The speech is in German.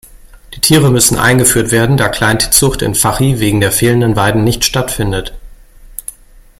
Die Tiere müssen eingeführt werden, da Kleintierzucht in Fachi wegen fehlender Weiden nicht stattfindet.